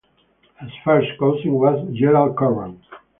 His first cousin was Gerald Curran.